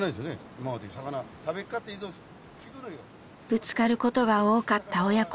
ぶつかることが多かった親子。